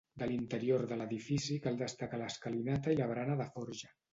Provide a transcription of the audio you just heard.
De l'interior de l'edifici cal destacar l'escalinata i la barana de forja.